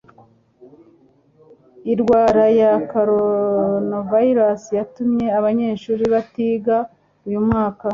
Irwara ya koronavirusi yatumye abanyeshuri batiga uyu mwaka